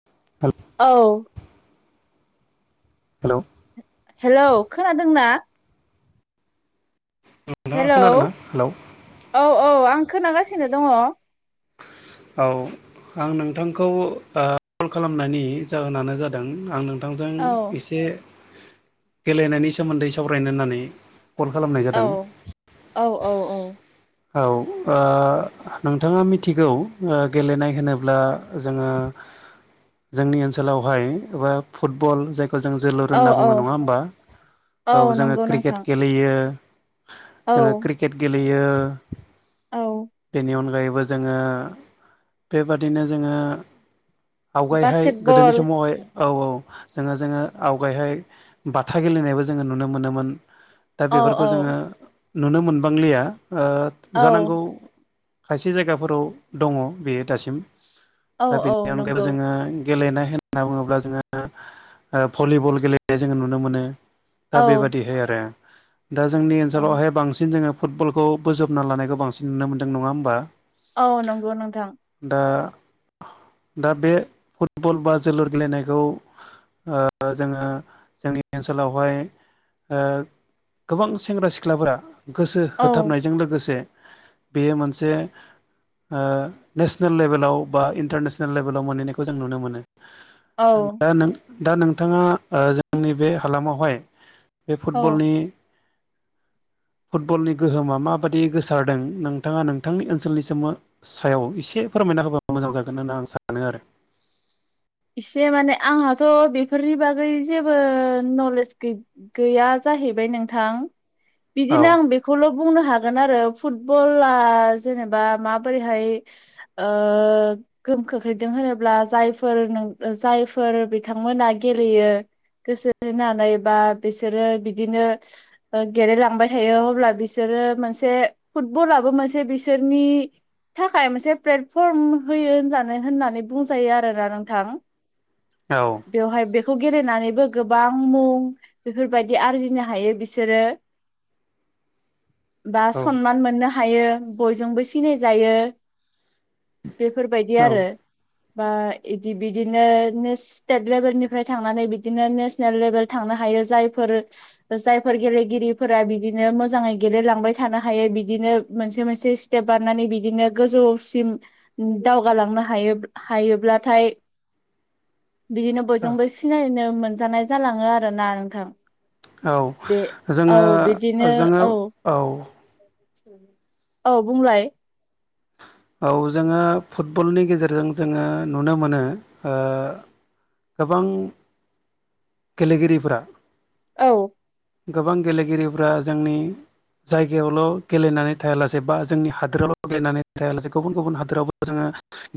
[unintelligible] औ hello hello खोनादोंना? नोंथाङा हेलौ खोनादोंना हेलौ औ औ आं खोनागासिनो दङ। औ आं नोंथांखौ आ कल खालामनायनि जाहोनानो जादों आं नों थांजों औ एसे गेलेनायनि सोमोन्दै सावरायनो होननानै कल खालामनाय जादों औ औ औ औ ओ नोंथाङा मिथिगौ ओ गेलेनाय होनोब्ला जोङो जोंनि ओनसोलावहाय एबा फुटबल जाय खौ जों जोलुर औ होनना औ बुङो नङा होमबा! औ जोङो नंगौ क्रिकेट नोंथां गेलेयो औ जोङो क्रिकेट गेलेयो औ बेनि अनगायैबो जोङो बेबादिनो जोङो आवगायहाय बास्केट गोदोनि बल समावहाय औ औ जोङो जोङो, आवगायहाय बाथा गेलेनायबो जोङो नुनो मोनोमोन दा औ बेफोरखौ जोङो नुनो मोनबांलिया, ओ औ जानांगौ खायसे जायगाफोराव दङ बेयो दासिम, औ दा बेनि औ अनगायैबो नंगौ जोङो गेलेनाय होनना बुङोब्ला ओ जोङो भलिबल गेलेनाय जोङो नुनो मोनो। औ दा बेबादिहाय आरो दा जोंनि औ ओनसोलावहाय बांसिन जोङो फुटबलखौ बोजब ना लानायखौ बांसिन नुनो मोनदों नङा होमबा! औ नंगौ नोंथां। दा दा बे फुटबल बा जोलुर गेलेनायखौ ओ जोङो जोंनि ओनसोलावहाय ओ गोबां सेंग्रा सिख्लाफोरा गोसो औ होथाबनायजों लोगो से बेयो मोनसे ओ नेसनेल लेभेलाव बा इन्टारनेसनेल लेभेलाव मोनहैनायखौ जों नुनो मोनो औ दा नों दा नोंथाङा जोंनि बे हालामावहाय बे औ फुटबलनि फुटबलनि गोहोमा माबा दि गोसारदों नोंथाङा नोंथांनि ओनसोलनि सोमो सायाव एसे फोरमायना होबा मोजां जागोन होन्नानै आं सानो आरो इसे माने आंहाथ' बेफोरनि बागै जेबो नलेज गैया जाहैबाय नोंथां औ बिदिनो आं बे खौल' बुंनो हागोन आरो फुटबला जेनेबा माबोरैहाय ओ गोहोम खोख्लैदों होनोब्ला जायफोर नों जायफोर बिथांमोना गेलेयो गोसो होनानै बा बिसोरो बिदिनो ओ गेलेलांबाय थायो अब्ला बिसोरो मोनसे फुटबलाबो मोनसे बिसोरनि थाखाय मोनसे प्लेटफर्म होयो होनजानो होननानै बुंजायो आरोना नों थां औ बेवहाय बेखौ गेलेनानैबो गोबां मुं बेफोरबायदि आरजिनो हायो बिसोरो। [inaudible] बा सनमान मोननो हायो बयजोंबो सिनायजायो। बेफोरबायदि औ आरो बा इदि बिदिनो स्टेट लेभेलनिफ्राय थांनानै बिदिनो नेसनेल लेभेल थांनो हायो जायफोर जायफोर गेलेगिरिफोरा बिदिनो मोजाङै गेलेलांबाय थानो हायो बिदिनो मोनसे मोनसे स्टेप बारनानै बिदिनो गोजौसिम दावगालांनो हायो हायोब्ला नाथाय बिदिनो बयजोंबो सिनायनो मोनजानाय जालाङो आरो ना नोंथां। बे औ औ जोङो बिदिनो जोङो औ औ बुंलाय औ जोङो फुटबलनि गेजेरजों जोङो नुनो मोनो ओ गोबां गेलेगिरिफोरा औ गोबां गेलेगिरिफ्रा जोंनि जायगायावल' गेलेनानै थायालासे बा जोंनि हादोरावल' गेलेनानै थायालासे गुबुन गुबुन हादोरावबो जोङो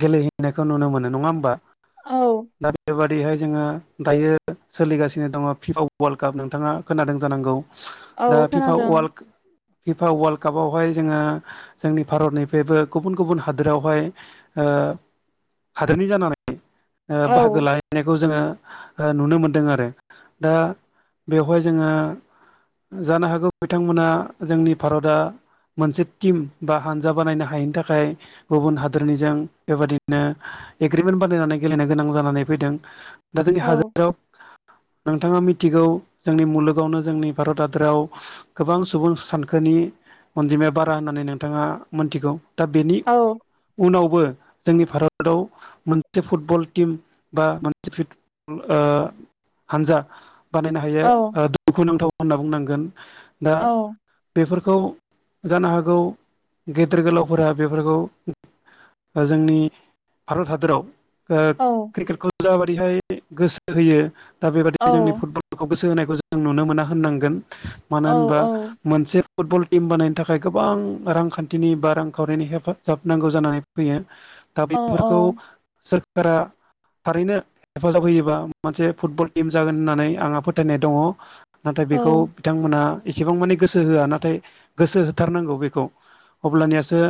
गेलेहैनायखौ नुनो मोनो नङा होमबा औ दा बेबादिहाय जोङो दायो सोलिगासिनो दङ फिफा वर्ल्ड काप नोंथाङा खोनादों जानांगौ दा औ फिफा खोनादों वार्ल्ड बिफा वर्ल्ड कापावहाय जोङो जोंनि भारतनिफ्रायबो गुबुन गुबुन हादोरावहाय ओ हादोरनि जानानै ओ औ बाहागो लायो बनायखौ जोङो नुनो मोनदों आरो दा बेवहाय जोङो जानो हागौ बिथांमोना जोंनि भारतआ मोनसे टिम बा हानजा बानायनो हायैनि थाखाय गुबुन हादोरनिजों बेबायादिनो एग्रिमेन्ट बानायनानै गेलेनो गोनां जानानै फैदों दा जोंनि औ हादोराव नोंथाङा मिथिगौ जोंनि मुलुगावनो जोंनि भारत हादराव गोबां सुबुं सानखोनि अनजिमाया बारा होननानै नोंथाङा मोनथिगौ दा बेनि औ उनावबो जोंनि भारताव मोनसे फुट फुटबल टिम बासे फुटबल ओ हानजा बानायनो हायो औ ओ दुखुनांथाव होनना बुंनांगोन दा ओ औ बेफोरखौ जानो हागौ गेदेर गोलावफोरा बेफोरखौ जोंनि भारत हादराव ओ औ क्रिकेटखौ जाबादिहाय गोसो होयो दा औ बेबादि जोंनि फुटबल गखौ गोसो होनायखौ जों नुनो मोना होननांगोन मानो औ होनबा मोनसे फुटबल टिम बानायनो थाखाय गोबां रांखान्थिनि बा रांखावरिनि हेफाजाब नांगौ जानानै फैयो दा बेफोरखौ सोरखारा थारैनो हेफाजाब होयोबा मोनसे फुटबल टिम जागोन होननानै आंहा फोथायनाय दङ। नाथाय बेखौ बिथांमोना एसेबां माने गोसो होआ नाथाय गोसो होथारनांगौ बेखौ अब्लानियासो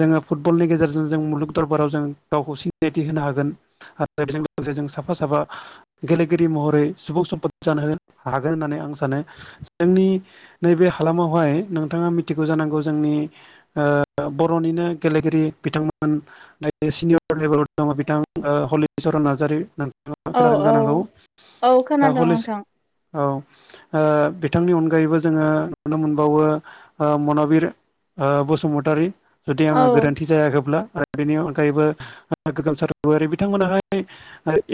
जोङो फुटबलनि गेजेरजों जों मुलुग दरबाराव जों गावखौसि सिनायथि होनो हागोन आरो बेजों लोगोसे जों साफा साफा गेलेगिरि महरै सुबुं सम्पत जानो हागोन होननानै आं सानो जोंनि नैबे हालामावहाय नोंथाङा मिथिगौ जानांगौ जोंनि ओ बर'निनो गेलेगिरि बिथांमोन न सिनियर लेभेलाव दङ बिथां ओ हलिचरन नार्जारि नो थाङा औ खोनादों जानांगौ औ औ दा खोनादों हलिस नोंथां औ ओ बिथांनि अनगायैबो जोङो नुनो मोनबावो ओ मनबिर ओ बसुमतारी जुदि औ आंहा गोरोन्थि जायाखैब्ला आरो बेनि अनगायैबो गोगोमसारारि बिथांमोनाहाय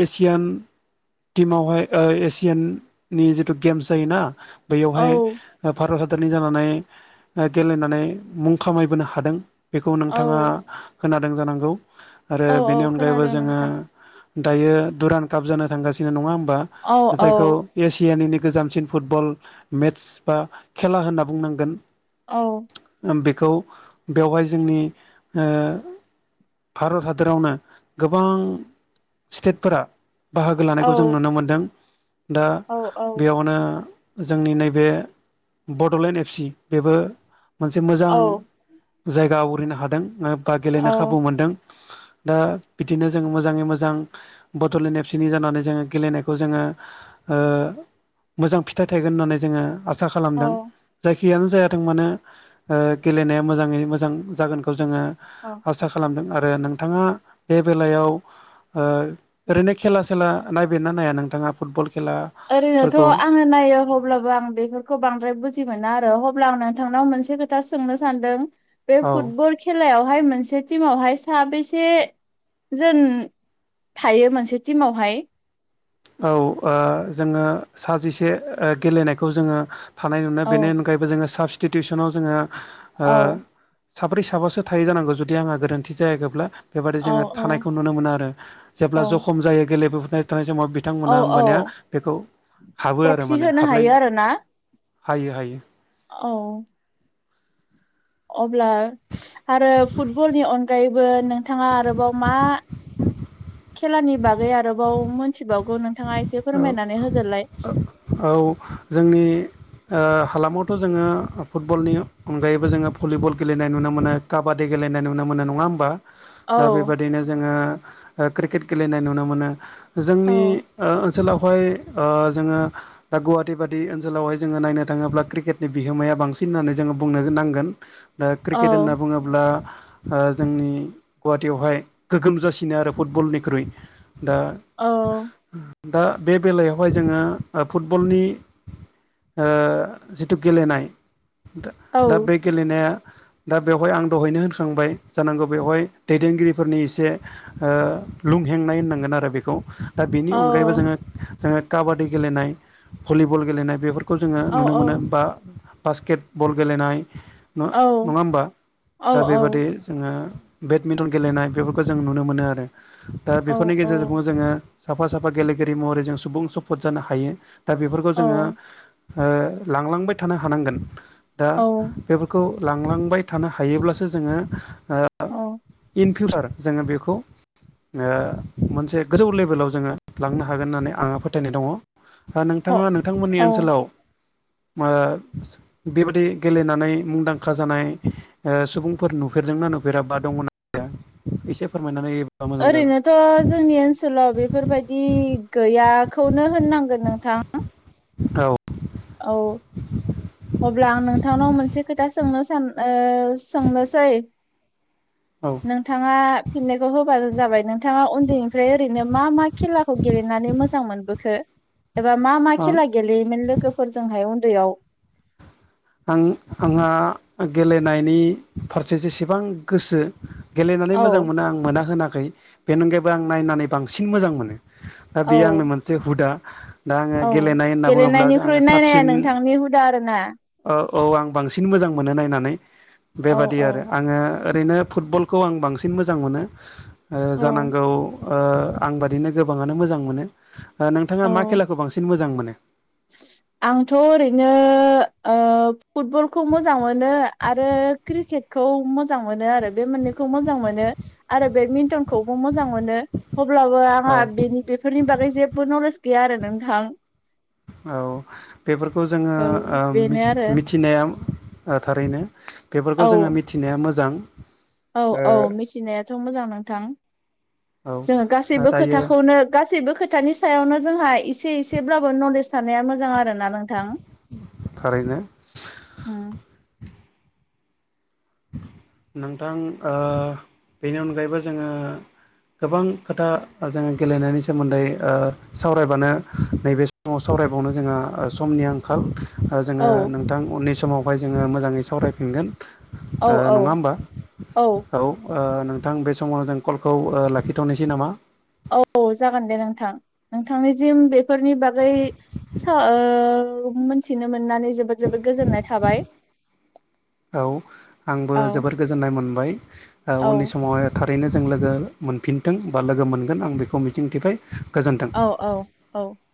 एसियान टिमावहाय ओ एसियाननि जिथु गेम्स जायोना बैयावहाय औ भारत हादरनि जानानै गेलेनानै मुं खामायबोनो हादों। बेखौ नोंथाङा औ खोनादों जानांगौ। आरो औ बेनि औ अनगायैबो खोनादों जोङो नोंथां दायो दुरान काप जानो थांगासिनो नङा होमबा? औ औ जायखौ औ एसियानिनो गोजामसिन फुटबल मेट्स बा खेला होनना बुंनांगोन। औ। बेखौ बेवहाय जोंनि ओ भारत हाद दोरावनो गोबां स्टेटफोरा बाहागो औ लानायखौ जों नुनो मोनदों दा औ बेयावनो जोंनि नैबे बड'लेण्ड एफ सि बेबो मोनसे मोजां औ जायगा आवग्रिनो हादों बा गेलेनो खाबु मोनदों। दा बिदिनो जो मोजाङै मोजां बड'लेण्ड एबसिनि जानानै जोङो गेलेनायखौ जोङो ओ मोजां फिथाइ थायगोन होननानै जोङो आसा औ खालामदों। जायखियानो जायाथों मानो ओ गेलेनाया मोजाङै मोजां जागोनखौ जोङो अ। आसा खालामदों आरो नोंथाङा बे बेलायाव ओ ओरैनो खेला सेला नायबिनना नाया नोंथाङा फुटबल खेला। ओरैनोथ' आङो नायो अब्लाबो आं बेफोरखौ बांद्राय बुजि मोना आरो अब्ला आं नोंथांनाव मोनसे खोथा सोंनो सानदों। बे औ फुटबल खेलायावहाय मोनसे टिमावहाय साबैसे जोन थायो मोनसे टिमावहाय। औ ओ जोङो सा जिसे ओ गेलेनायखौ जोङो थानाय नुनो औ बेनि अनगायैब बो जोङो साबसटिटिउसनाव जोङो ओ औ साब्रै साबासो थायो जानांगौ जुदि आंहा गोरोन्थि जायाखैब्ला। बेबादि औ जोङो औ थानायखौ नुनो मोनो आरो जेब्ला औ जखम जायो गेलेबोफबाय थानाय समाव। औ बिथांमोना औ होमबानिया बेखौ हाबो आरो प्रक्सि माने होनो हाबलाय हायो आरोना हायो हायो। औ। अब्ला आरो फुटबलनि अनगायैबो नोंथाङा आरोबाव मा खेलानि बागै आरोबाव मोनथिबावगौ नोंथाङा एसे औ फोरमायनानै होदोलाय। औ जोंनि ओ हालामावथ' जोङो फुटबलनि अनगायैबो जोङो भलिबल गेलेनाय नुनो मोनो। काबादि गेलेनाय नुनो मोनो नङा ओमबा? औ दा बेबादिनो जोङो ओ क्रिकेट गेलेनाय नुनो मोनो औ जोंनि ओ ओनसोलावहाय ओ जोङो दा गुवाहाटिबादि ओनसोलावहाय जोङो नायनो थाङोब्ला क्रिकेटनि बिहोमाया बांसिन होननानै जोङो बुंनो नांगोन। दा औ क्रिकेट होनना बुङो ब्ला ओ जोंनि गुवाहाटियावहाय गोगोम जाासिनो आरो फुटबलनिख्रुइ। दा औ। दा बे बेलायावहाय जोङो ओ फुटबलनि ओ जिथु गेलेनाय औ दा बे गेलेनाया दा बेवहाय आं दहायनो होनखांबाय जानांगौ बेवहाय दैदेनगिरिफोरनि एसे ओ लुंहेंनाय होननांगोन आरो बेखौ दा बेनि औ अन जोंङो काबादि गेलेनाय भलिबल गेलेनाय बेफोर खौ जोङो औ नुनो मोनो बा बास्केट बल गेलेनाय। नङा औ होमबा औ दा औ बेबादि जोङो बेडमिन्टन गेलेनाय बेफोरखौ जों नुनो मोनो आरो दा बेफोरनि गेजेरजोंबो औ जोङो साफा सा फा गेलेगिरि महरै जों सुबुं स्फद जानो हायो दा बेफोरखौ जोङो। ओ लांलांबाय थानो हानांगोन दा औ बेफोरखौ लांलांबाय थानो हायोब्लासो जोङो इन ओ फिउसार जोङो बेखौ ओ मोनसे गोजौ लेभेलाव जोङो लांनो हागोन होननानै आंहा फोथायनाय दङ औ नोंथाङा नोंथांमोननि औ ओनसोलाव ओ बेबायाददि गेलेनानै मुंदांखा जानाय। ओ सुबुंफोर नुफेरदोंना नुफेरा बा दङना एसे फोरमायनानै मोजां जागोन ओरैनोथ' जोंनि ओनसोलाव बेफोरबायदि बिदि गैयाखौनो होननांगोन नोंथां। औ औ अब्ला आं नोंथांनाव मोनसे खोथा सोंनो सान ओ सोंनो सै औ नों नोंथाङा फिननायखौ होबानो जाबाय नोंथाङा उन्दैनिफ्राय ओरैनो मा मा खेलाखौ गेलेनानै मोजां मोनबो एबा मा मा आं खेला गेलेयोमोन लोगोफोरजोंहाय उन्दैयाव? आं आंहा गेलेनायनि फारसे जेसेबां गोसो गेलेनानै औ मोजां मोनो आं मोना होनाखै बेनि अनगायैबो आं नायनानै बांसिन मोजां मोनो। ओ औ बेयो आंनि मोनसे हुदा दा आङो औ गेलेनाय होनना बुङोब्ला आङो साबसिन नि हुदा आरोना। औ औ आं बांसिन मोजां मोनो नायनानै औ बेबादि औ आरो आङो ओरैनो फुटबल खौ आं बांसिन मोजां मोनो ओ औ जानांगौ। ओ आं बादिनो गोबाङानो मोजां मोनो। नोंथाङा मा औ खेलाखौ बांसिन मोजां मोनो? आंथ' ओरैनो ओ फुटबलखौ मोजां मोनो आरो क्रिकेटखौ मोजां मोजां मोनो आरो बे मोननैखौ मोजां मोनो आरो बेडमिन्टनखौबो मोजां मोनो। अब्लाबो आंहा औ बेनि बेफोरनि बागै जेबो नलेज गैया आरो नोंथां। औ बेफोरखौ जोङो औ ओ बेनो आरो मिथिनाया थारैनो औ बेफोरखौ जों मिथिनाया मोजां। औ औ मिथिनायाथ' मोजां नोंथां। औ जोङो गासैबो दायो खोथाखौनो गासैबो खोथानि सायावनो जोंहा एसे एसेब्लाबो नलेज थानाया मोजां आरोना नोंथां। थारैनो। उम नोंथां ओ बेनि अनगायैबो जोङो गोबां खोथा जोङो गेलेनायनि सोमोन्दै ओ सावरायबानो नैबे समाव सावरायबावनो जोंहा समनि आंखाल। आरो औ जोङो नोंथां उननि समावहाय जोङो मोजाङै सावरायफिनगोन। औ ओ औ नङा होमबा। औ नोंथां बे समाव जों कलखौ लाखिथ'नोसै नामा? औ जागोन दे नोंथां नोंथांनि सिम बे फोरनि बागै सा ओ मिथिनो मोननानै जोबोद जोबोद गोजोननाय थाबाय। औ आंबो औ जोबोर गोजोननाय मोनबाय औ उननि समावहाय। थारैनो जों लोगो मोनफिनथों बा लोगो मोनगोन आं बेखौ मिजिंथिबाय। गोजोन्थों। औ औ औ